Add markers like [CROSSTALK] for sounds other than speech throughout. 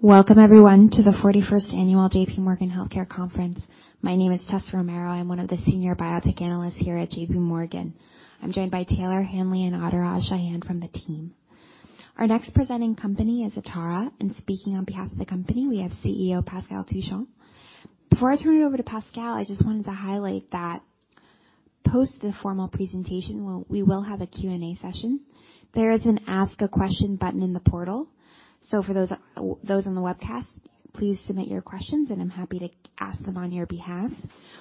Welcome everyone to the 41st annual J.P. Morgan Healthcare Conference. My name is Tessa Romero. I'm one of the senior biotech analysts here at J.P. Morgan. I'm joined by Taryn Healy and Amber Daugherty from the team. Our next presenting company is Atara, Speaking on behalf of the company, we have CEO Pascal Touchon. Before I turn it over to Pascal, I just wanted to highlight that post the formal presentation we will have a Q&A session. There is an Ask a Question button in the portal. For those on the webcast, please submit your questions, and I'm happy to ask them on your behalf.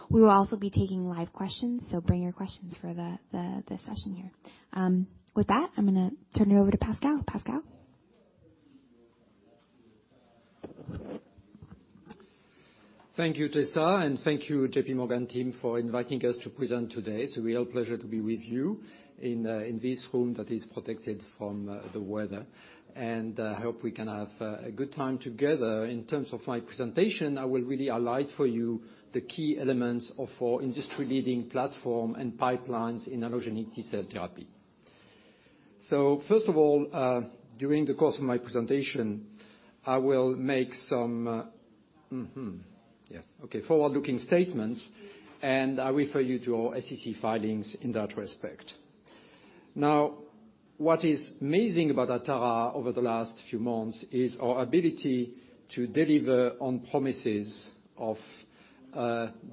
We will also be taking live questions, so bring your questions for the session here. With that, I'm gonna turn it over to Pascal. Pascal? Thank you, Tessa, and thank you J.P. Morgan team for inviting us to present today. It's a real pleasure to be with you in this room that is protected from the weather. I hope we can have a good time together. In terms of my presentation, I will really highlight for you the key elements of our industry-leading platform and pipelines in allogeneic T-cell therapy. First of all, during the course of my presentation, I will make some forward-looking statements, and I refer you to our SEC filings in that respect. What is amazing about Atara over the last few months is our ability to deliver on promises of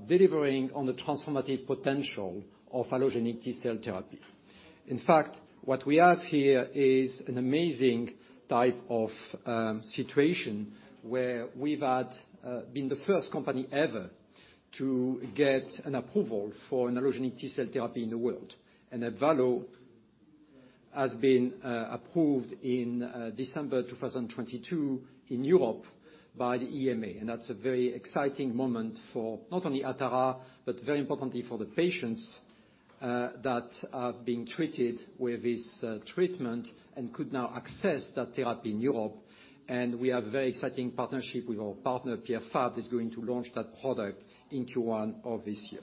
delivering on the transformative potential of allogeneic T-cell therapy. In fact, what we have here is an amazing type of situation where we've had been the first company ever to get an approval for an allogeneic T-cell therapy in the world. That value has been approved in December 2022 in Europe by the EMA, and that's a very exciting moment for not only Atara, but very importantly for the patients that are being treated with this treatment and could now access that therapy in Europe. We have a very exciting partnership with our partner, Pierre Fabre, that's going to launch that product in Q1 of this year.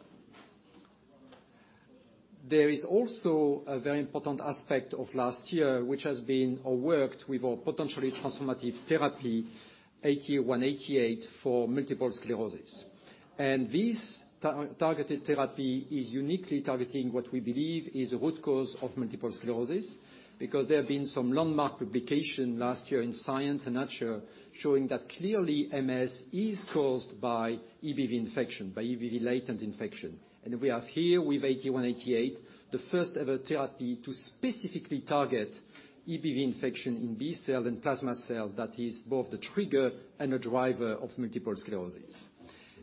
There is also a very important aspect of last year, which has been our work with our potentially transformative therapy, ATA188, for multiple sclerosis. This targeted therapy is uniquely targeting what we believe is the root cause of multiple sclerosis because there have been some landmark publication last year in Science and Nature showing that clearly MS is caused by EBV infection, by EBV latent infection. We are here with ATA188, the first-ever therapy to specifically target EBV infection in B-cell and plasma cell that is both the trigger and a driver of multiple sclerosis.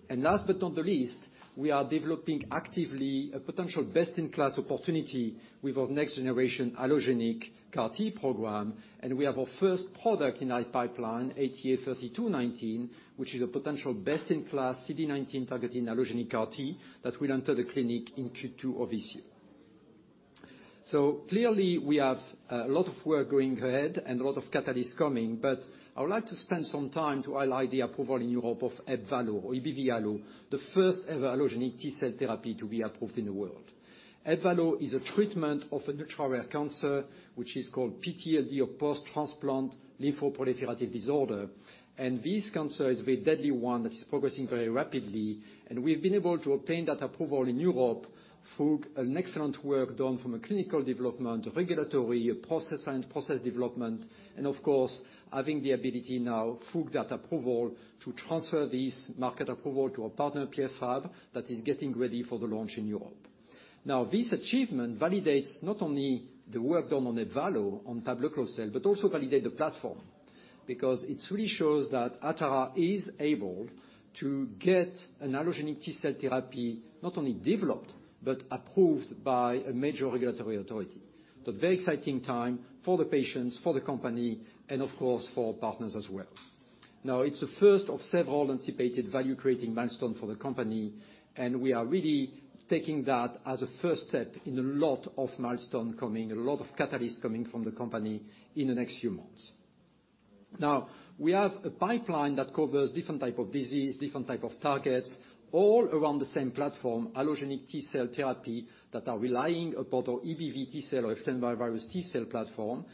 Last but not least, we are developing actively a potential best-in-class opportunity with our next generation allogeneic CAR-T program. We have our first product in our pipeline, ATA-3219, which is a potential best-in-class CD19-targeting allogeneic CAR-T that will enter the clinic in Q2 of this year. Clearly we have a lot of work going ahead and a lot of catalysts coming, but I would like to spend some time to highlight the approval in Europe of Ebvallo or Ebivarlo, the first-ever allogeneic T-cell therapy to be approved in the world. Ebvallo is a treatment of an ultra-rare cancer, which is called PTLD, or post-transplant lymphoproliferative disorder. This cancer is a very deadly one that is progressing very rapidly. We've been able to obtain that approval in Europe through an excellent work done from a clinical development, regulatory process and process development, and of course, having the ability now through that approval to transfer this market approval to our partner, Pierre Fabre, that is getting ready for the launch in Europe. This achievement validates not only the work done on Ebvallo on tabelecleucel, but also validate the platform because it really shows that Atara is able to get an allogeneic T-cell therapy not only developed, but approved by a major regulatory authority. Very exciting time for the patients, for the company, and of course, for our partners as well. It's the first of several anticipated value-creating milestone for the company, and we are really taking that as a first step in a lot of milestone coming, a lot of catalysts coming from the company in the next few months. We have a pipeline that covers different type of disease, different type of targets, all around the same platform, allogeneic T-cell therapy, that are relying upon our EBV T-cell or Epstein-Barr virus T-cell platform.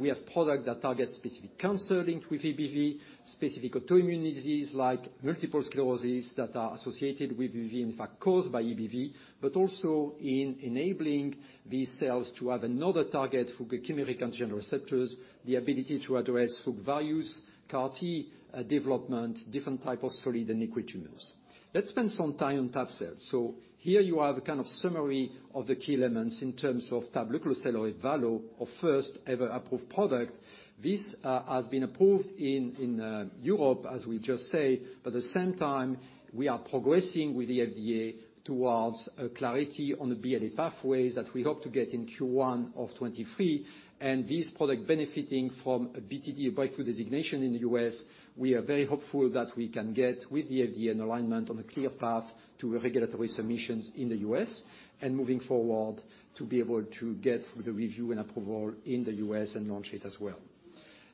We have product that targets specific cancer linked with EBV, specific autoimmune disease like multiple sclerosis that are associated with EBV, in fact caused by EBV, but also in enabling these cells to have another target for chimeric antigen receptors, the ability to address through values, CAR-T development, different type of solid and liquid tumors. Let's spend some time on tab-cell. Here you have a kind of summary of the key elements in terms of tabelecleucel or Ebvallo, our first-ever approved product. This has been approved in Europe, as we just say. At the same time, we are progressing with the FDA towards a clarity on the BLA pathways that we hope to get in Q1 of 2023. This product benefiting from a BTD, a breakthrough designation in the U.S., we are very hopeful that we can get with the FDA an alignment on a clear path to regulatory submissions in the U.S. and moving forward to be able to get through the review and approval in the U.S. and launch it as well.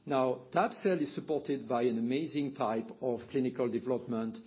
Now, tab-cell is supported by an amazing type of clinical development.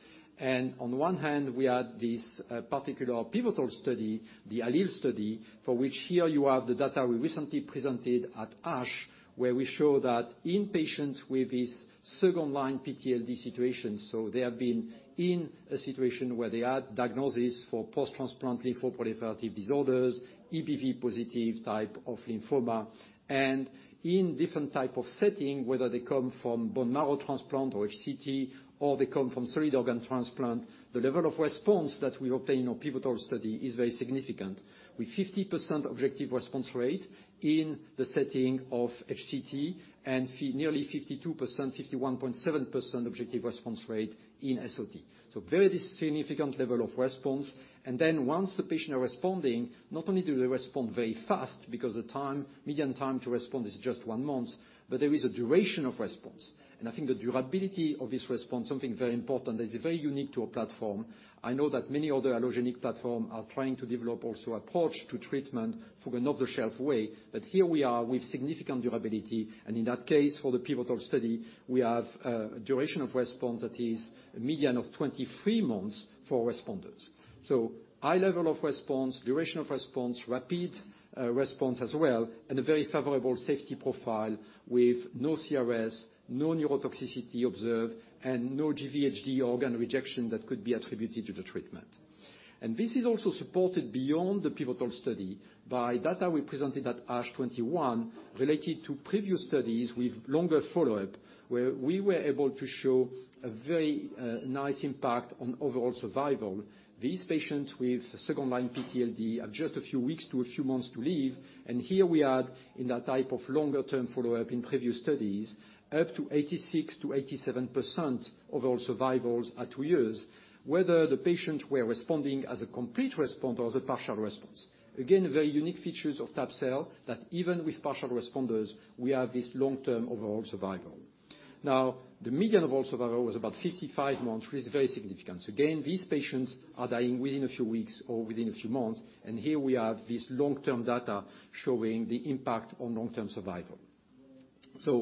On one hand, we had this particular pivotal study, the ALLELE study, for which here you have the data we recently presented at ASH, where we show that in patients with this second-line PTLD situation, so they have been in a situation where they had diagnosis for post-transplant lymphoproliferative disorders, EBV positive type of lymphoma. And in different type of setting, whether they come from bone marrow transplant or RCT, or they come from solid organ transplant, the level of response that we obtain on pivotal study is very significant, with 50% objective response rate in the setting of HCT and nearly 52%, 51.7% objective response rate in SOT. Very significant level of response. Once the patient are responding, not only do they respond very fast because the median time to respond is just one month, but there is a duration of response. I think the durability of this response, something very important, is very unique to our platform. I know that many other allogeneic platform are trying to develop also approach to treatment for an off-the-shelf way. That here we are with significant durability, and in that case, for the pivotal study, we have duration of response that is a median of 23 months for responders. High level of response, duration of response, rapid response as well, and a very favorable safety profile with no CRS, no neurotoxicity observed, and no GVHD organ rejection that could be attributed to the treatment. This is also supported beyond the pivotal study by data we presented at ASH 21 related to previous studies with longer follow-up, where we were able to show a very nice impact on overall survival. These patients with second-line PTLD have just a few weeks to a few months to live. Here we are in a type of longer-term follow-up in previous studies, up to 86%-87% overall survivals at two years, whether the patients were responding as a complete response or as a partial response. Again, very unique features of tab-cell, that even with partial responders, we have this long-term overall survival. Now, the median overall survival was about 55 months, which is very significant. Again, these patients are dying within a few weeks or within a few months. Here we have this long-term data showing the impact on long-term survival.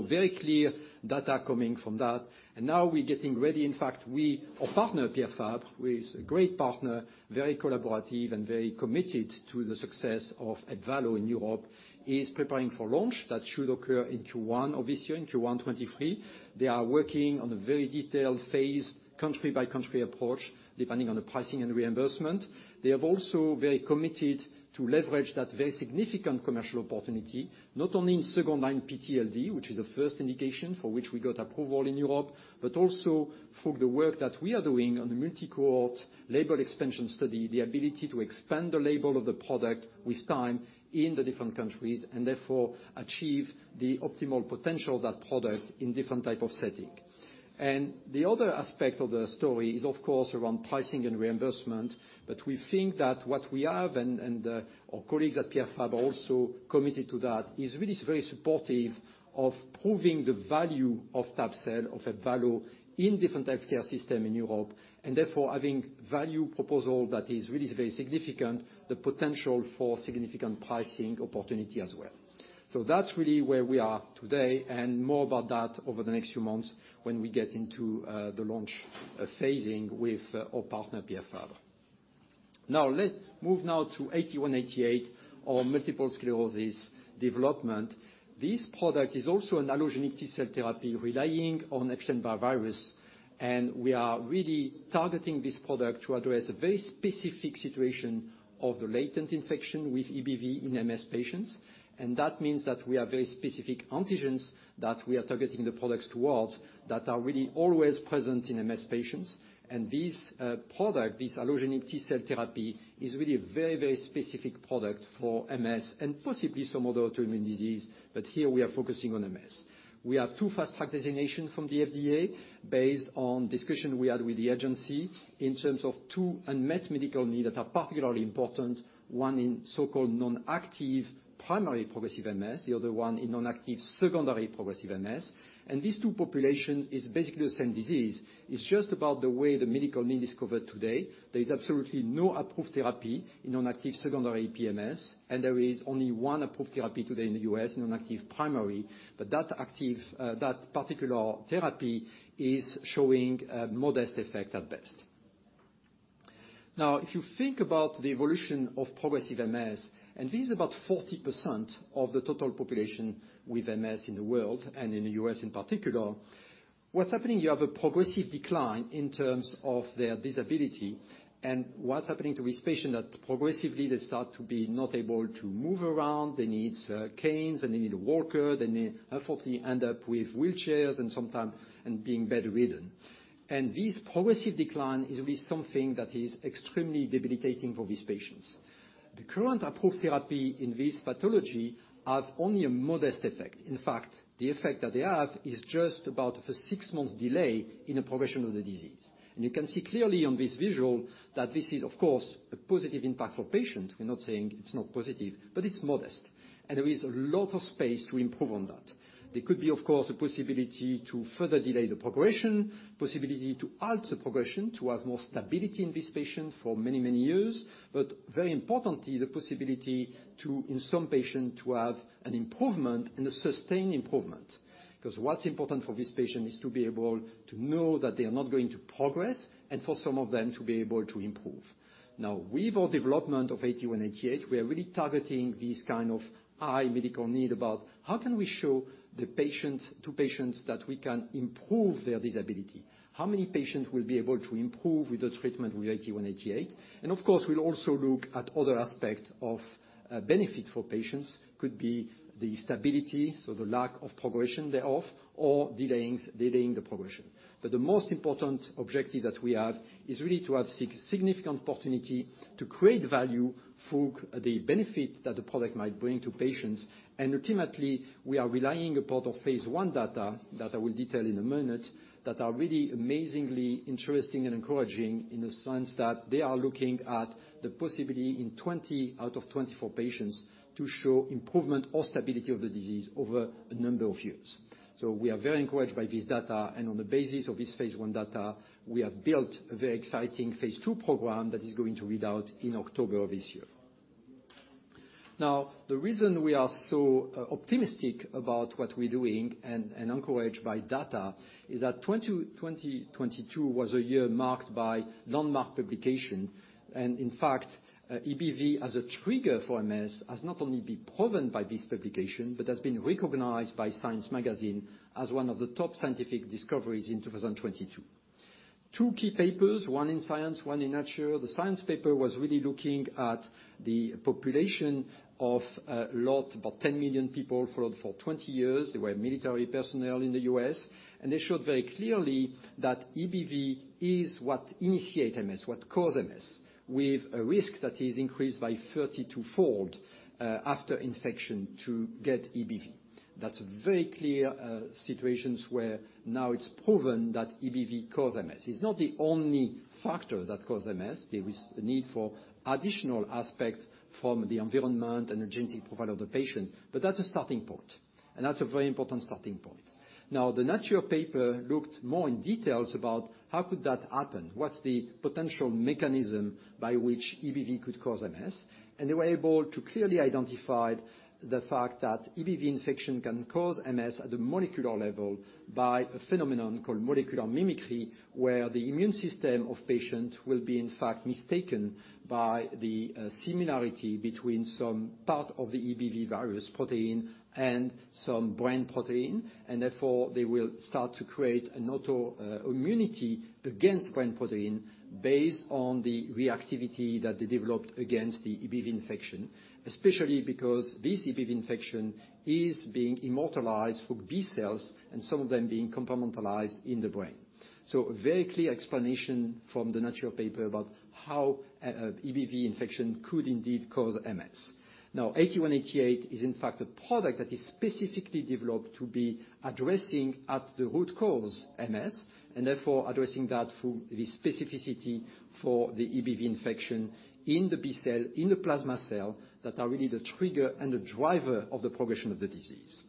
Very clear data coming from that. And now we're getting ready. In fact, we are partnered with Pierre Fabre, who is a great partner, very collaborative, and very committed to the success of Ebvallo in Europe, is preparing for launch. That should occur in Q1 of this year, in Q1 2023. They are working on a very detailed phase, country-by-country approach, depending on the pricing and reimbursement. They have also very committed to leverage that very significant commercial opportunity, not only in second-line PTLD, which is the first indication for which we got approval in Europe, but also for the work that we are doing on the multi-cohort label expansion study, the ability to expand the label of the product with time in the different countries, and therefore achieve the optimal potential of that product in different type of setting. The other aspect of the story is of course, around pricing and reimbursement. We think that what we have, and our colleagues at Pierre Fabre also committed to that, is really very supportive of proving the value of tab-cell, of Ebvallo in different healthcare system in Europe. And therefore, having value proposal that is really very significant, the potential for significant pricing opportunity as well. That's really where we are today, and more about that over the next few months when we get into the launch phasing with our partner, Pierre Fabre. Let's move now to ATA188, our multiple sclerosis development. This product is also an allogeneic T-cell therapy relying on Epstein-Barr virus, and we are really targeting this product to address a very specific situation of the latent infection with EBV in MS patients. That means that we have very specific antigens that we are targeting the products towards that are really always present in MS patients. This product, this allogeneic T-cell therapy, is really a very, very specific product for MS and possibly some other autoimmune disease, but here we are focusing on MS. We have two fast track designation from the FDA based on discussion we had with the agency in terms of two unmet medical need that are particularly important, one in so-called non-active primary progressive MS, the other one in non-active secondary progressive MS. And these two populations is basically the same disease. It's just about the way the medical need is covered today. There is absolutely no approved therapy in non-active secondary SPMS, there is only one approved therapy today in the U.S. in non-active primary. That active, that particular therapy is showing a modest effect at best. If you think about the evolution of progressive MS, this is about 40% of the total population with MS in the world, in the U.S. in particular, what's happening, you have a progressive decline in terms of their disability. And what's happening to this patient that progressively they start to be not able to move around, they need canes, and they need a walker, hopefully end up with wheelchairs and sometimes being bedridden. This progressive decline is really something that is extremely debilitating for these patients. The current approved therapy in this pathology have only a modest effect. In fact, the effect that they have is just about a six months delay in the progression of the disease. You can see clearly on this visual that this is, of course, a positive impact for patient. We're not saying it's not positive, but it's modest, and there is a lot of space to improve on that. There could be, of course, a possibility to further delay the progression, possibility to halt the progression, to have more stability in this patient for many, many years. Very importantly, the possibility to, in some patients, to have an improvement and a sustained improvement. What's important for this patient is to be able to know that they are not going to progress, and for some of them to be able to improve. Now with our development of ATA188, we are really targeting this kind of high medical need about how can we show to patients that we can improve their disability? How many patients will be able to improve with the treatment with ATA188? Of course, we'll also look at other aspects of benefit for patients. Could be the stability, so the lack of progression thereof, or delaying the progression. The most important objective that we have is really to have significant opportunity to create value for the benefit that the product might bring to patients. Ultimately, we are relying upon our phase I data, that I will detail in a minute, that are really amazingly interesting and encouraging in the sense that they are looking at the possibility in 20 out of 24 patients to show improvement or stability of the disease over a number of years. We are very encouraged by this data, and on the basis of this phase I data, we have built a very exciting phase II program that is going to read out in October of this year. The reason we are so optimistic about what we're doing and encouraged by data is that 2022 was a year marked by landmark publication. And in fact, EBV as a trigger for MS has not only been proven by this publication, but has been recognized by Science Magazine as one of the top scientific discoveries in 2022. Two key papers, one in Science, one in Nature. The Science paper was really looking at the population of a lot, about 10 million people followed for 20 years. They were military personnel in the U.S. They showed very clearly that EBV is what initiate MS, what cause MS, with a risk that is increased by 32-fold after infection to get EBV. That's a very clear situations where now it's proven that EBV cause MS. It's not the only factor that cause MS. There is a need for additional aspect from the environment and the genetic profile of the patient, but that's a starting point, and that's a very important starting point. The Nature paper looked more in details about how could that happen, what's the potential mechanism by which EBV could cause MS. They were able to clearly identify the fact that EBV infection can cause MS at the molecular level by a phenomenon called molecular mimicry, where the immune system of patient will be in fact mistaken by the similarity between some part of the EBV various protein and some brain protein. Therefore, they will start to create an auto immunity against brain protein based on the reactivity that they developed against the EBV infection. Especially because this EBV infection is being immortalized for B-cells, and some of them being compartmentalized in the brain. A very clear explanation from the Nature paper about how a EBV infection could indeed cause MS. ATA188 is in fact a product that is specifically developed to be addressing at the root cause MS, and therefore addressing that through the specificity for the EBV infection in the B-cell, in the plasma cell, that are really the trigger and the driver of the progression of the disease.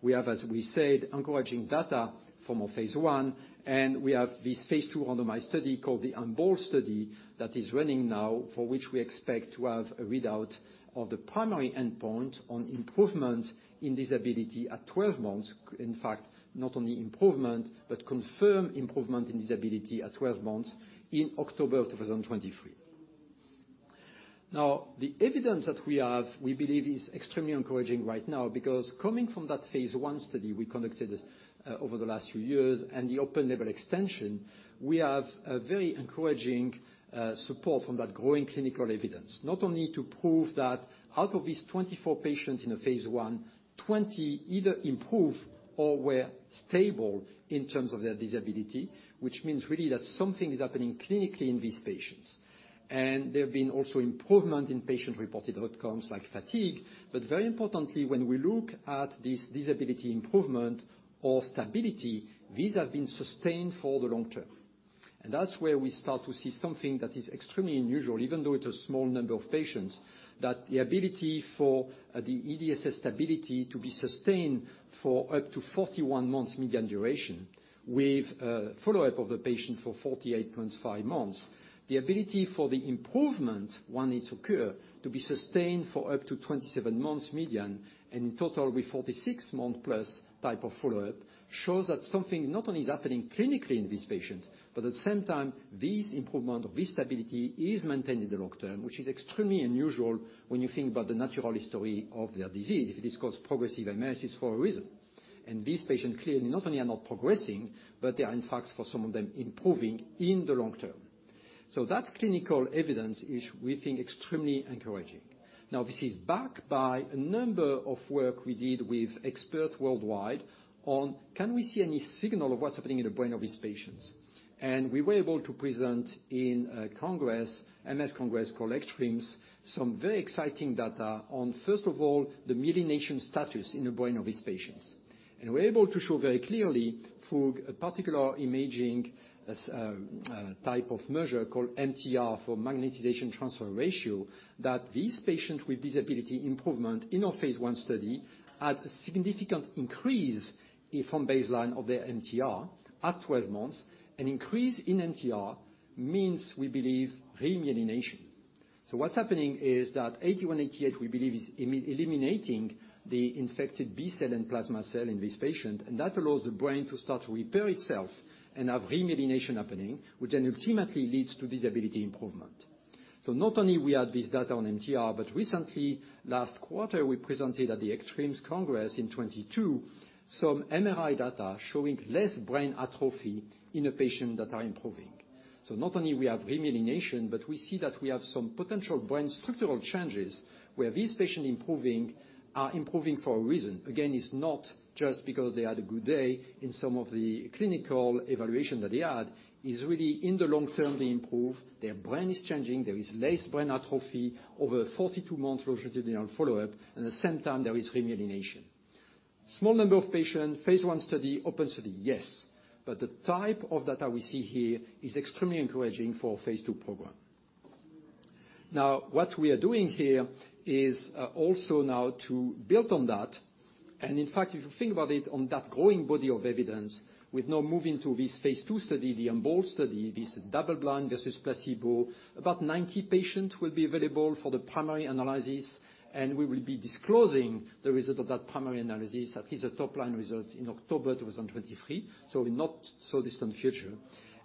We have, as we said, encouraging data from our phase I, and we have this phase II randomized study called the EMBOLD study that is running now, for which we expect to have a readout of the primary endpoint on improvement in disability at 12 months. In fact, not only improvement, but confirm improvement in disability at 12 months in October of 2023. Now the evidence that we have, we believe is extremely encouraging right now, because coming from that phase I study we conducted over the last few years and the open label extension, we have a very encouraging support from that growing clinical evidence. Not only to prove that out of these 24 patients in a phase I, 20 either improved or were stable in terms of their disability, which means really that something is happening clinically in these patients. There have been also improvement in patient-reported outcomes like fatigue. Very importantly, when we look at this disability improvement or stability, these have been sustained for the long term. That's where we start to see something that is extremely unusual, even though it's a small number of patients, that the ability for the EDSS stability to be sustained for up to 41 months median duration. With follow-up of the patient for 48 months, five months. The ability for the improvement when it occur to be sustained for up to 27 months median, and in total with 46 month-plus type of follow-up, shows that something not only is happening clinically in this patient, but at the same time, this improvement or this stability is maintained in the long term. Which is extremely unusual when you think about the natural history of their disease, if it is caused progressive MS for a reason. This patient clearly not only are not progressing, but they are in fact, for some of them, improving in the long term. That clinical evidence is, we think, extremely encouraging. Now this is backed by a number of work we did with experts worldwide on can we see any signal of what's happening in the brain of these patients. And we were able to present in a congress, MS Congress called ECTRIMS, some very exciting data on, first of all, the myelination status in the brain of these patients. We're able to show very clearly for a particular imaging as a type of measure called MTR for magnetization transfer ratio, that these patients with disability improvement in our phase I study had significant increase from baseline of their MTR at 12 months. An increase in MTR means, we believe, remyelination. What's happening is that ATA188, we believe, is eliminating the infected B-cell and plasma cell in this patient, and that allows the brain to start to repair itself and have remyelination happening, which then ultimately leads to disability improvement. Not only we have this data on MTR, but recently, last quarter, we presented at the ECTRIMS Congress in 2022 some MRI data showing less brain atrophy in a patient that are improving. Not only we have remyelination, but we see that we have some potential brain structural changes where these patients improving are improving for a reason. Again, it's not just because they had a good day in some of the clinical evaluation that they had. It's really in the long term, they improve, their brain is changing, there is less brain atrophy over 42 months longitudinal follow-up, and at the same time, there is remyelination. Small number of patients, phase I study, open study, yes. The type of data we see here is extremely encouraging for our phase II program. What we are doing here is also now to build on that. In fact, if you think about it on that growing body of evidence, we're now moving to this phase II study, the EMBOLD study, this double blind versus placebo. About 90 patients will be available for the primary analysis, and we will be disclosing the result of that primary analysis, at least the top line results, in October 2023, so in not so distant future.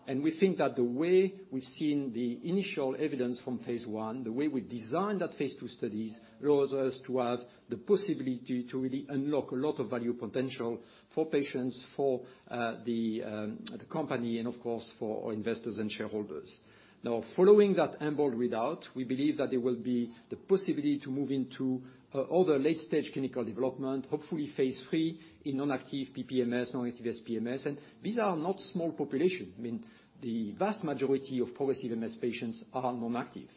We think that the way we've seen the initial evidence from phase I, the way we designed that phase II studies, allows us to have the possibility to really unlock a lot of value potential for patients, for the company, and of course, for our investors and shareholders. Following that EMBOLD readout, we believe that there will be the possibility to move into other late-stage clinical development, hopefully phase III in non-active PPMS, non-active SPMS. These are not small population. I mean, the vast majority of progressive MS patients are non-active.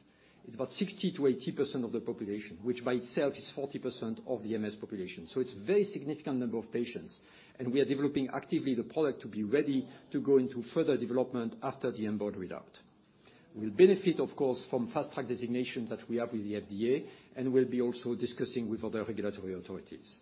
It's about 60%-80% of the population, which by itself is 40% of the MS population. It's very significant number of patients, and we are developing actively the product to be ready to go into further development after the EMBOLD readout. We'll benefit, of course, from fast track designations that we have with the FDA, and we'll be also discussing with other regulatory authorities.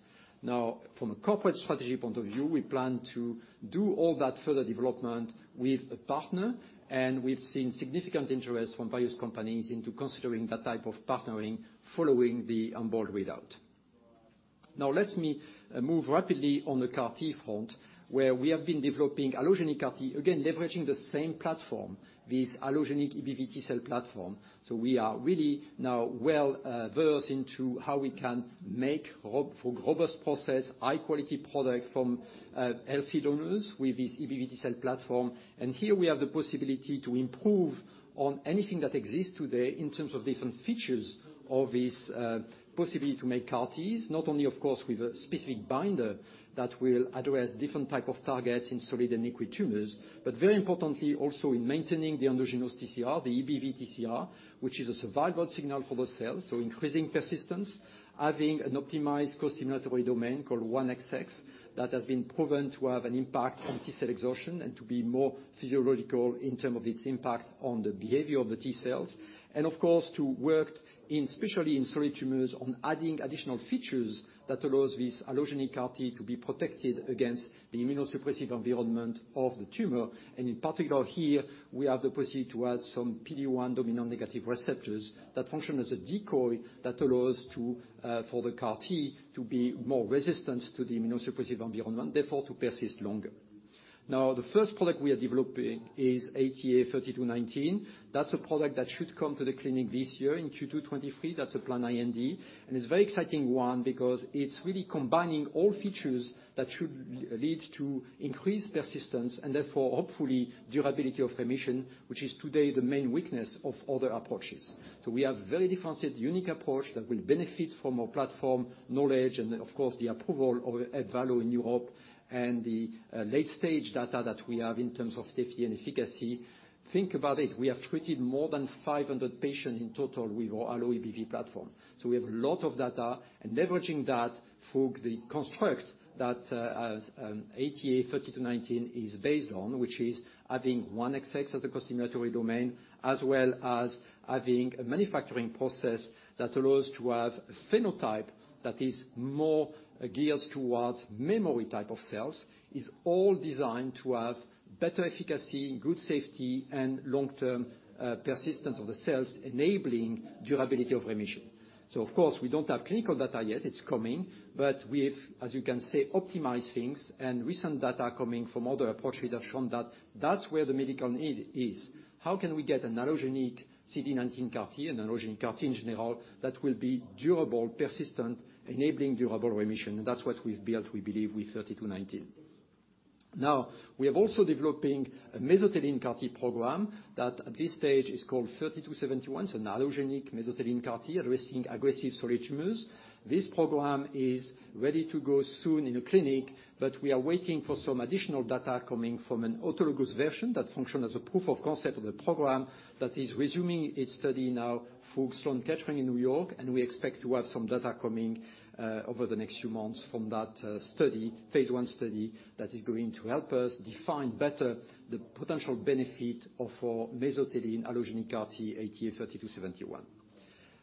From a corporate strategy point of view, we plan to do all that further development with a partner, and we've seen significant interest from various companies into considering that type of partnering following the EMBOLD readout. Let me move rapidly on the CAR-T front, where we have been developing allogeneic CAR-T, again, leveraging the same platform, this allogeneic EBV T-cell platform. We are really now well versed into how we can make robust process, high-quality product from healthy donors with this EBV T-cell platform. Here we have the possibility to improve on anything that exists today in terms of different features of this possibility to make CAR-Ts, not only of course with a specific binder that will address different type of targets in solid and liquid tumors, but very importantly also in maintaining the endogenous TCR, the EBV TCR, which is a survival signal for those cells, so increasing persistence, having an optimized costimulatory domain called 1XX that has been proven to have an impact on T-cell exhaustion and to be more physiological in term of its impact on the behavior of the T-cells. And of course, to work in, especially in solid tumors, on adding additional features that allows this allogeneic CAR-T to be protected against the immunosuppressive environment of the tumor. In particular here, we have the capacity to add some PD-1 dominant negative receptors that function as a decoy that allows to for the CAR-T to be more resistant to the immunosuppressive environment, therefore to persist longer. The first product we are developing is ATA-3219. That's a product that should come to the clinic this year in Q2 2023. That's a planned IND. It's very exciting one because it's really combining all features that should lead to increased persistence and therefore hopefully durability of remission, which is today the main weakness of other approaches. So we have very differentiated, unique approach that will benefit from our platform knowledge and of course, the approval of Ebvallo in Europe and the late-stage data that we have in terms of safety and efficacy. Think about it. We have treated more than 500 patients in total with our allo EBV platform. We have a lot of data, and leveraging that for the construct that ATA-3219 is based on, which is having 1XX as a co-stimulatory domain, as well as having a manufacturing process that allows to have phenotype that is more geared towards memory type of cells, is all designed to have better efficacy, good safety, and long-term persistence of the cells, enabling durability of remission. Of course, we don't have clinical data yet. It's coming. We've, as you can say, optimized things, and recent data coming from other approaches have shown that that's where the medical need is. How can we get an allogeneic CD19 CAR-T, an allogeneic CAR-T in general, that will be durable, persistent, enabling durable remission? That's what we've built, we believe, with 3219. We have also developing a mesothelin CAR-T program that at this stage is called 3271. An allogeneic mesothelin CAR-T addressing aggressive solid tumors. This program is ready to go soon in the clinic. We are waiting for some additional data coming from an autologous version that function as a proof of concept of the program that is resuming its study now for Sloan Kettering in New York. We expect to have some data coming over the next few months from that study, phase I study that is going to help us define better the potential benefit of our mesothelin allogeneic CAR-T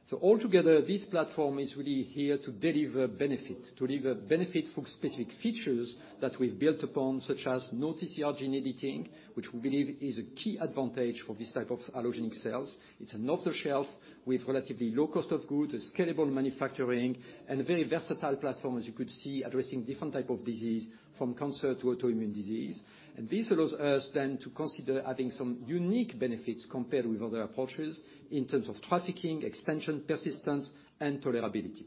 ATA3271. Altogether, this platform is really here to deliver benefit, to deliver benefit for specific features that we've built upon, such as no TCR gene editing, which we believe is a key advantage for this type of allogeneic cells. It's an off-the-shelf with relatively low cost of goods, a scalable manufacturing, and a very versatile platform, as you could see, addressing different type of disease from cancer to autoimmune disease. This allows us then to consider adding some unique benefits compared with other approaches in terms of trafficking, extension, persistence, and tolerability.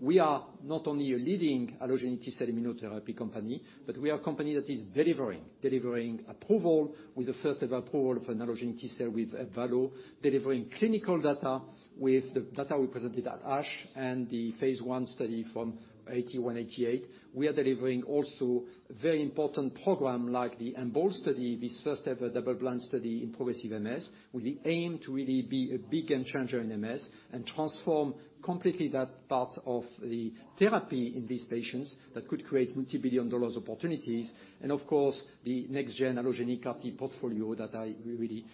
We are not only a leading allogeneic T-cell immunotherapy company, but we are a company that is delivering approval with the first-ever approval of an allogeneic T-cell with Ebvallo, delivering clinical data with the data we presented at ASH and the phase I study from ATA188. We are delivering also very important program like the EMBOLD study, this first-ever double-blind study in progressive MS, with the aim to really be a big game changer in MS and transform completely that part of the therapy in these patients that could create multi-billion dollars opportunities, and of course, the next-gen allogeneic CAR-T portfolio that I really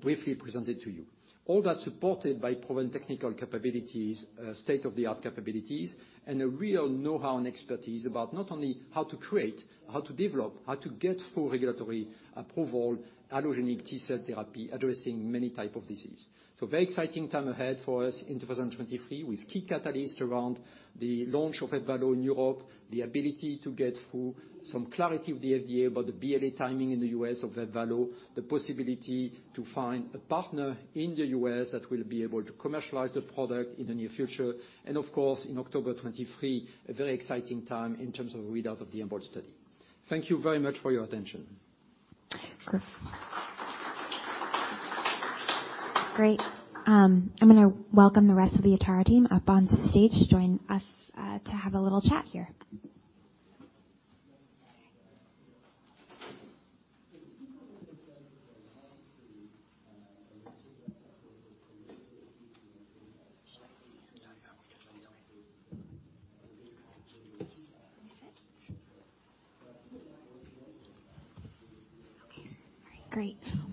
briefly presented to you. All that supported by proven technical capabilities, state-of-the-art capabilities, and a real know-how and expertise about not only how to create, how to develop, how to get full regulatory approval, allogeneic T-cell therapy addressing many type of disease. Very exciting time ahead for us in 2023 with key catalyst around the launch of Ebvallo in Europe, the ability to get through some clarity of the FDA about the BLA timing in the U.S. of Ebvallo, the possibility to find a partner in the U.S. that will be able to commercialize the product in the near future. Of course, in October 2023, a very exciting time in terms of readout of the EMBOLD study. Thank you very much for your attention. Great. I'm gonna welcome the rest of the Atara team up on stage to join us to have a little chat here.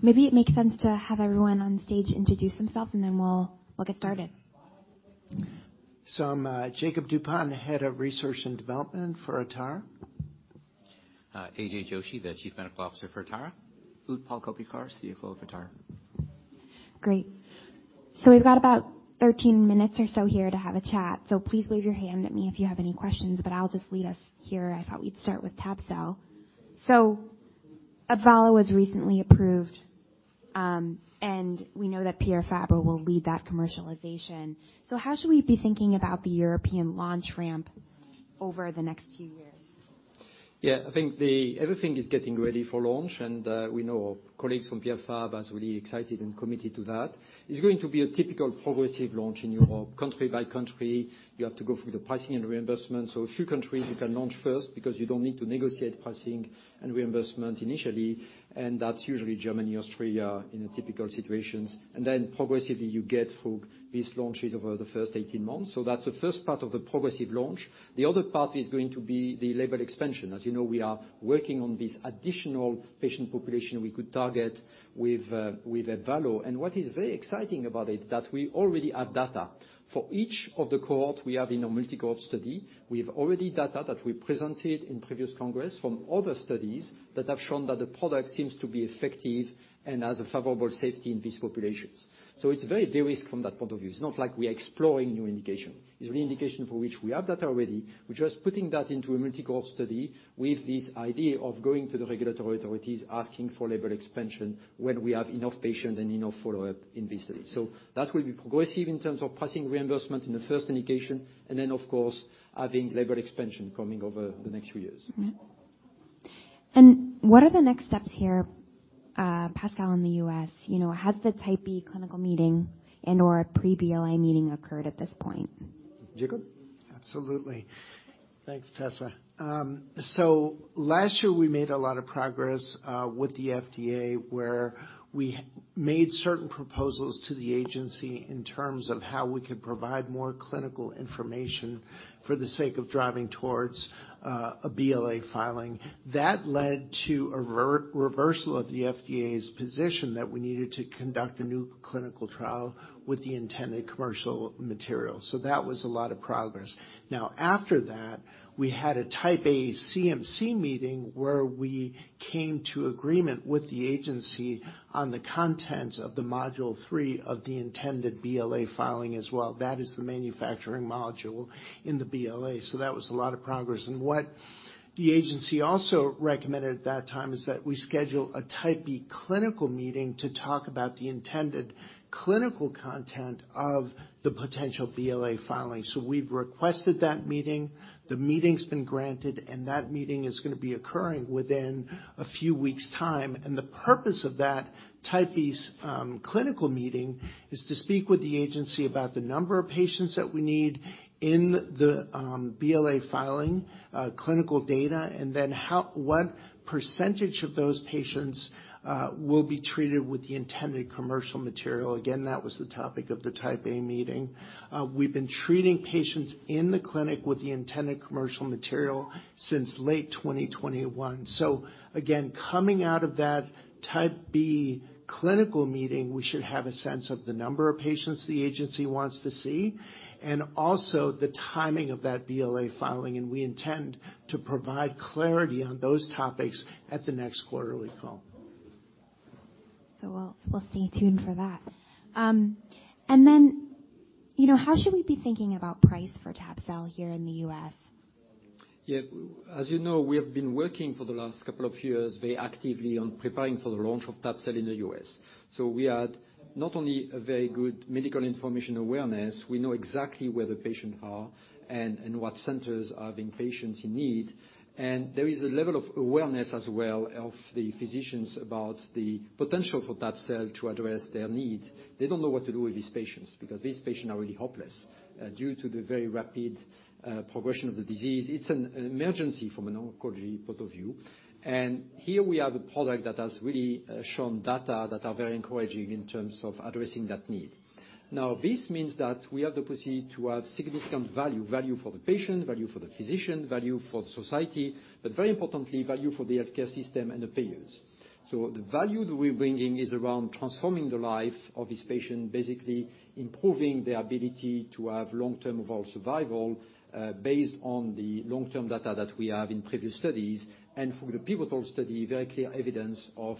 [AUDIO DISTORTION] Great. Maybe it makes sense to have everyone on stage introduce themselves, then we'll get started. I'm, Jakob Dupont, Head of Research and Development for Atara. AJ Joshi, the Chief Medical Officer for Atara. Utpal Koppikar, CFO of Atara. Great. We've got about 13 minutes or so here to have a chat, so please wave your hand at me if you have any questions, but I'll just lead us here. I thought we'd start with tab-cell. Ebvallo was recently approved, and we know that Pierre Fabre will lead that commercialization. How should we be thinking about the European launch ramp over the next few years? Yeah. I think everything is getting ready for launch, we know colleagues from Pierre Fabre is really excited and committed to that. It's going to be a typical progressive launch in Europe, country by country. You have to go through the pricing and reimbursement. A few countries you can launch first because you don't need to negotiate pricing and reimbursement initially, and that's usually Germany, Austria, in typical situations. Then progressively, you get through these launches over the first 18 months. That's the first part of the progressive launch. The other part is going to be the label expansion. As you know, we are working on this additional patient population we could target with Ebvallo. What is very exciting about it, that we already have data. For each of the cohort we have in a multi-cohort study, we have already data that we presented in previous congress from other studies that have shown that the product seems to be effective and has a favorable safety in these populations. It's very de-risked from that point of view. It's not like we are exploring new indication. It's a new indication for which we have data already. We're just putting that into a multi-cohort study with this idea of going to the regulatory authorities asking for label expansion when we have enough patients and enough follow-up in this study. That will be progressive in terms of pricing reimbursement in the first indication, and then, of course, having label expansion coming over the next few years. Mm-hmm. And what are the next steps here, Pascal, in the U.S.? You know, has the Type B clinical meeting and/or a pre-BLA meeting occurred at this point? Jakob? Absolutely. Thanks, Tessa. last year we made a lot of progress with the FDA, where we made certain proposals to the agency in terms of how we could provide more clinical information for the sake of driving towards a BLA filing. That led to a reversal of the FDA's position that we needed to conduct a new clinical trial with the intended commercial material. That was a lot of progress. After that, we had a Type A CMC meeting where we came to agreement with the agency on the contents of the module three of the intended BLA filing as well. That is the manufacturing module in the BLA. That was a lot of progress. What the agency also recommended at that time is that we schedule a Type B clinical meeting to talk about the intended clinical content of the potential BLA filing. We've requested that meeting. The meeting's been granted, and that meeting is gonna be occurring within a few weeks' time. The purpose of that Type B's clinical meeting is to speak with the agency about the number of patients that we need in the BLA filing clinical data, and then what percentage of those patients will be treated with the intended commercial material. Again, that was the topic of the Type A meeting. We've been treating patients in the clinic with the intended commercial material since late 2021. Again, coming out of that Type B clinical meeting, we should have a sense of the number of patients the agency wants to see, and also the timing of that BLA filing, and we intend to provide clarity on those topics at the next quarterly call. We'll stay tuned for that. You know, how should we be thinking about price for tab-cell here in the U.S.? Yeah. As you know, we have been working for the last two years very actively on preparing for the launch of tab-cell in the U.S. We had not only a very good medical information awareness, we know exactly where the patient are and what centers are the patients in need. There is a level of awareness as well of the physicians about the potential for tab-cell to address their needs. They don't know what to do with these patients because these patients are really helpless, due to the very rapid progression of the disease. It's an emergency from a neurology point of view. Here we have a product that has really shown data that are very encouraging in terms of addressing that need. Now this means that we have the capacity to have significant value for the patient, value for the physician, value for the society, but very importantly, value for the healthcare system and the payers. The value that we're bringing is around transforming the life of this patient, basically improving their ability to have long-term overall survival, based on the long-term data that we have in previous studies and for the pivotal study, very clear evidence of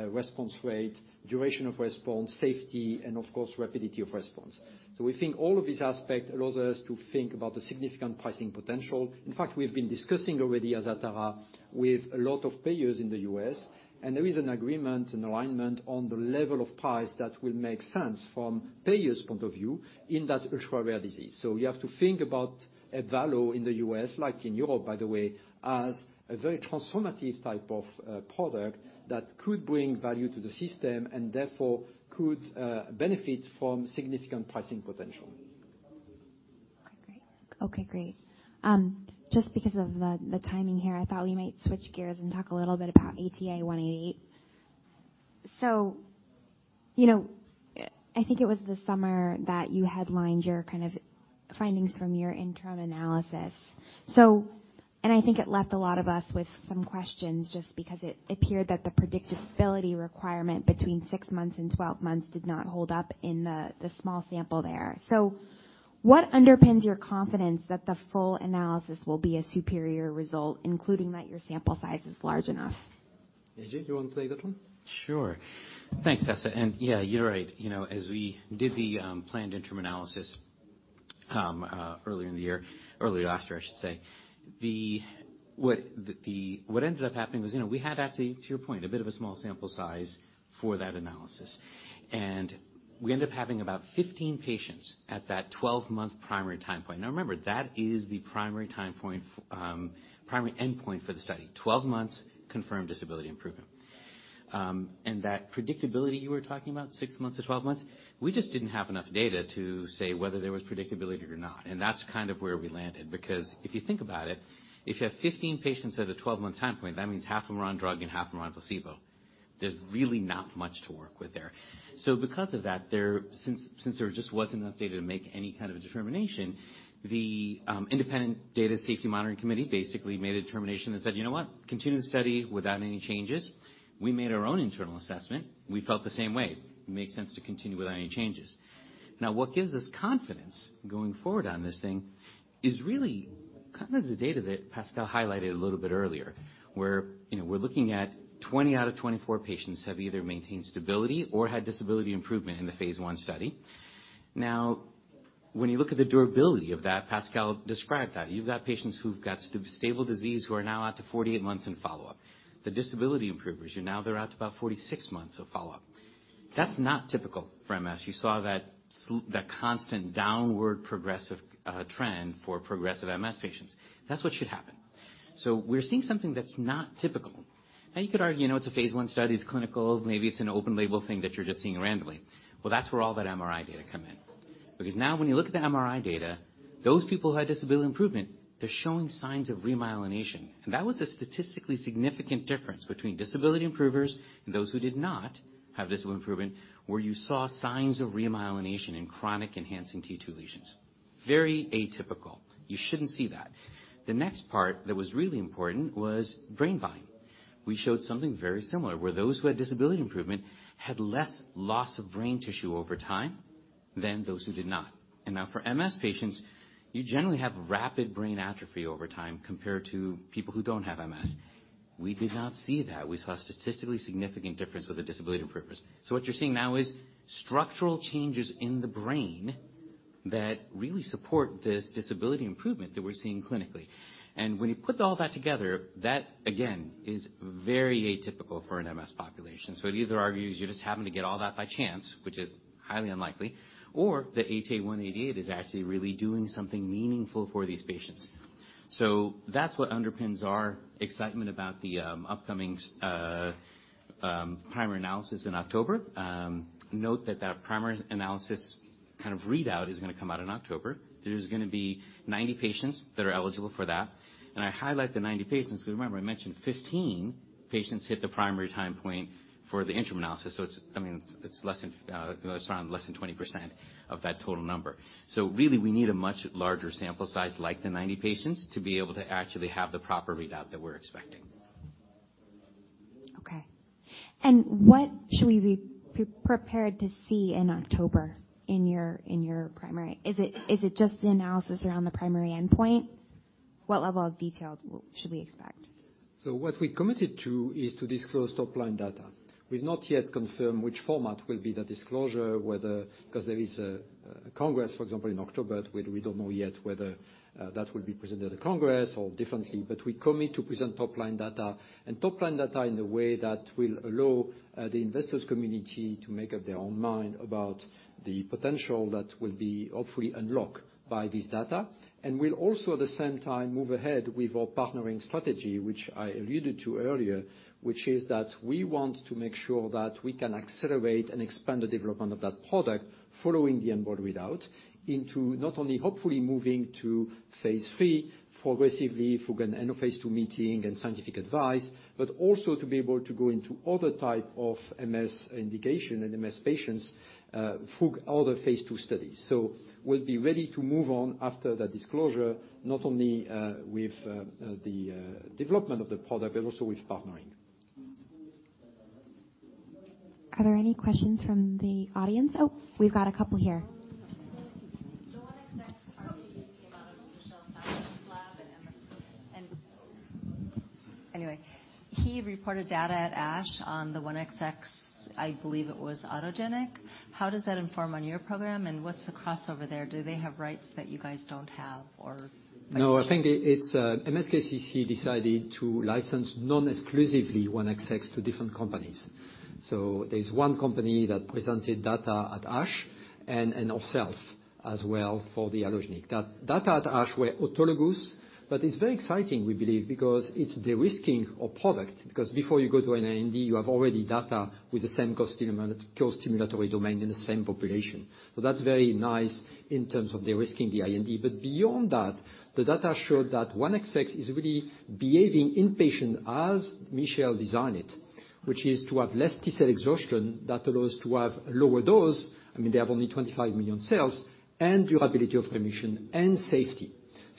response rate, duration of response, safety, and of course, rapidity of response. We think all of this aspect allows us to think about the significant pricing potential. In fact, we've been discussing already at Atara with a lot of payers in the U.S., and there is an agreement and alignment on the level of price that will make sense from payer's point of view in that ultra-rare disease. We have to think about a value in the U.S., like in Europe, by the way, as a very transformative type of product that could bring value to the system and therefore could benefit from significant pricing potential. Okay, great. Okay, great. Just because of the timing here, I thought we might switch gears and talk a little bit about ATA188. You know, I think it was this summer that you headlined your kind of findings from your interim analysis. I think it left a lot of us with some questions just because it appeared that the predictability requirement between six months and 12 months did not hold up in the small sample there. What underpins your confidence that the full analysis will be a superior result, including that your sample size is large enough? AJ, do you wanna take that one? Sure. Thanks, Tessa. Yeah, you're right. You know, as we did the planned interim analysis earlier in the year, earlier after, I should say, What ended up happening was, you know, we had actually, to your point, a bit of a small sample size for that analysis. We end up having about 15 patients at that 12-month primary time point. Now remember, that is the primary time point, primary endpoint for the study. 12 months confirmed disability improvement. That predictability you were talking about, six months to 12 months, we just didn't have enough data to say whether there was predictability or not, and that's kind of where we landed. Because if you think about it, if you have 15 patients at a 12-month time point, that means half of them are on drug and half of them are on placebo. There's really not much to work with there. Because of that, Since there just wasn't enough data to make any kind of a determination, the independent data safety monitoring committee basically made a determination that said, "You know what? Continue the study without any changes." We made our own internal assessment. We felt the same way. It makes sense to continue without any changes. Now, what gives us confidence going forward on this thing is really kind of the data that Pascal highlighted a little bit earlier, where, you know, we're looking at 20 out of 24 patients have either maintained stability or had disability improvement in the phase I study. When you look at the durability of that, Pascal described that. You've got patients who've got stable disease who are now out to 48 months in follow-up. The disability improvers, you're now they're out to about 46 months of follow-up. That's not typical for MS. You saw that constant downward progressive trend for progressive MS patients. That's what should happen. We're seeing something that's not typical. You could argue, you know, it's a phase I study, it's clinical. Maybe it's an open label thing that you're just seeing randomly. Well, that's where all that MRI data come in. When you look at the MRI data, those people who had disability improvement, they're showing signs of remyelination. That was a statistically significant difference between disability improvers and those who did not have disability improvement, where you saw signs of remyelination in chronic enhancing T2 lesions. Very atypical. You shouldn't see that. The next part that was really important was brain volume. We showed something very similar, where those who had disability improvement had less loss of brain tissue over time than those who did not. Now for MS patients, you generally have rapid brain atrophy over time compared to people who don't have MS. We did not see that. We saw a statistically significant difference with the disability improvement. What you're seeing now is structural changes in the brain that really support this disability improvement that we're seeing clinically. When you put all that together, that again is very atypical for an MS population. It either argues you're just having to get all that by chance, which is highly unlikely, or the ATA188 is actually really doing something meaningful for these patients. That's what underpins our excitement about the upcoming primary analysis in October. Note that that primary analysis kind of readout is gonna come out in October. There's gonna be 90 patients that are eligible for that. I highlight the 90 patients, 'cause remember I mentioned 15 patients hit the primary time point for the interim analysis. It's, I mean, it's less than it's around less than 20% of that total number. Really, we need a much larger sample size, like the 90 patients, to be able to actually have the proper readout that we're expecting. Okay. What should we be prepared to see in October in your primary? Is it just the analysis around the primary endpoint? What level of detail should we expect? What we committed to is to disclose top-line data. We've not yet confirmed which format will be the disclosure. Because there is a congress, for example, in October. We don't know yet whether that will be presented at the congress or differently. We commit to present top-line data, and top-line data in a way that will allow the investors community to make up their own mind about the potential that will be hopefully unlocked by this data. We'll also at the same time move ahead with our partnering strategy, which I alluded to earlier, which is that we want to make sure that we can accelerate and expand the development of that product following the onboard readout into not only hopefully moving to phase III progressively through an end of phase II meeting and scientific advice, but also to be able to go into other type of MS indication and MS patients through other phase II studies. We'll be ready to move on after the disclosure, not only with the development of the product, but also with partnering. Are there any questions from the audience? Oh, we've got a couple here. The 1XX came out of Michel's lab and. He reported data at ASH on the 1XX, I believe it was autologous. How does that inform on your program, and what's the crossover there? Do they have rights that you guys don't have or vice versa? I think it's MSKCC decided to license non-exclusively 1XX to different companies. There's one company that presented data at ASH and ourself as well for the allogeneic. That data at ASH were autologous, it's very exciting we believe, because it's de-risking a product, because before you go to an IND, you have already data with the same co-stimulatory domain in the same population. That's very nice in terms of de-risking the IND. Beyond that, the data showed that 1XX is really behaving in-patient as Michel designed it, which is to have less T-cell exhaustion that allows to have lower dose. I mean, they have only 25 million cells, and durability of remission and safety.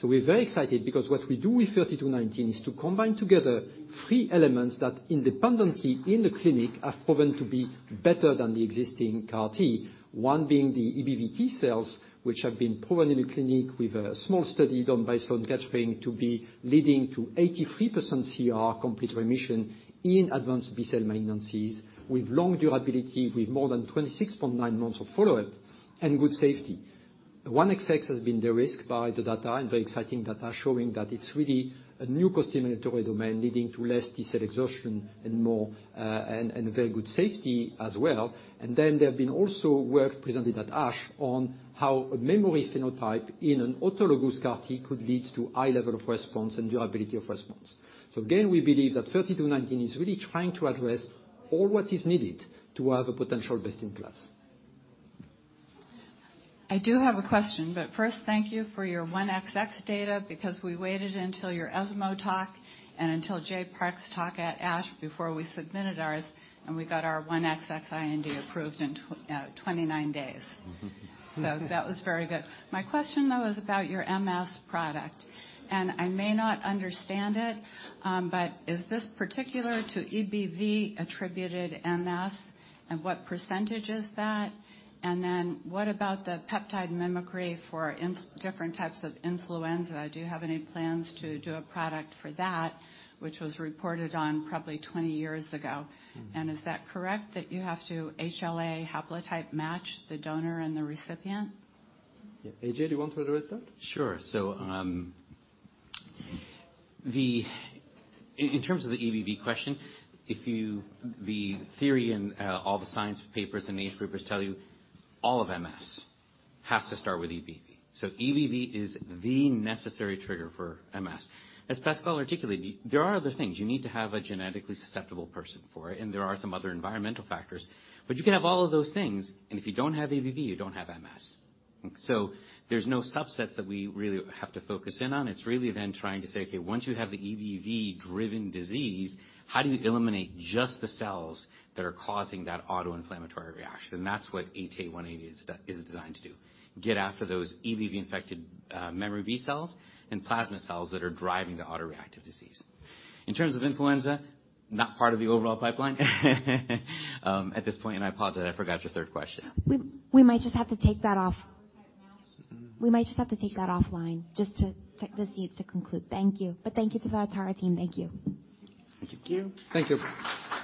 We're very excited because what we do with ATA-3219 is to combine together three elements that independently in the clinic have proven to be better than the existing CAR-T. One being the EBV-T cells, which have been proven in the clinic with a small study done by Sloan Kettering to be leading to 83% CR complete remission in advanced B-cell malignancies with long durability, with more than 26.9 months of follow-up and good safety. 1XX has been de-risked by the data and very exciting data showing that it's really a new co-stimulatory domain leading to less T-cell exhaustion and more, and very good safety as well. There have been also work presented at ASH on how a memory phenotype in an autologous CAR-T could lead to high level of response and durability of response. Again, we believe that 3219 is really trying to address all what is needed to have a potential best in class. I do have a question. First, thank you for your 1XX data because we waited until your ESMO talk and until J.P. Zha talk at ASH before we submitted ours. We got our 1XX IND approved in 29 days. That was very good. My question though is about your MS product, and I may not understand it, but is this particular to EBV-attributed MS, and what percentage is that? What about the molecular mimicry for different types of influenza? Do you have any plans to do a product for that which was reported on probably 20 years ago? Is that correct that you have to HLA haplotype match the donor and the recipient? Yeah. AJ, do you want to address that? Sure. In terms of the EBV question, The theory and all the Science papers and Nature papers tell you all of MS has to start with EBV. EBV is the necessary trigger for MS. As Pascal articulated, there are other things. You need to have a genetically susceptible person for it, and there are some other environmental factors. You can have all of those things, and if you don't have EBV, you don't have MS. There's no subsets that we really have to focus in on. It's really then trying to say, okay, once you have the EBV-driven disease, how do you eliminate just the cells that are causing that auto-inflammatory reaction? That's what ATA188 is designed to do. Get after those EBV-infected memory B-cells and plasma cells that are driving the auto-reactive disease. In terms of influenza, not part of the overall pipeline. At this point, I apologize, I forgot your third question. We might just have to take that off. We might just have to take that offline just to... This needs to conclude. Thank you. Thank you to the entire team. Thank you. Thank you. Thank you.